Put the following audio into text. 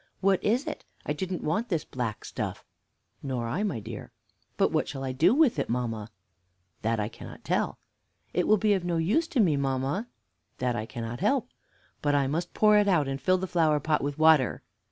What is it? I didn't want this black stuff." "Nor I, my dear." "But what shall I do with it, mamma?" "That I cannot tell." "It will be of no use to me, mamma." "That I cannot help." "But I must pour it out, and fill the flower pot with water."